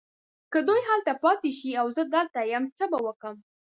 که دوی هلته پاته شي او زه دلته یم څه به کوم؟